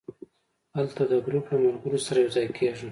هلته د ګروپ له ملګرو سره یو ځای کېږم.